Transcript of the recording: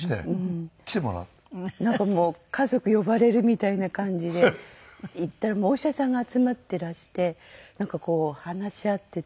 なんかもう家族呼ばれるみたいな感じで行ったらお医者さんが集まってらしてなんかこう話し合ってて。